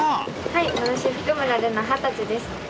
はい私福村瑠菜二十歳です。